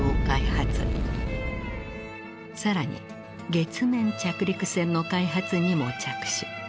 更に月面着陸船の開発にも着手。